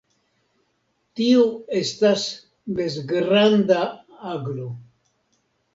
Tiu estas mezgranda aglo.